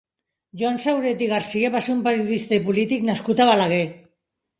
Joan Sauret i Garcia va ser un periodista i polític nascut a Balaguer.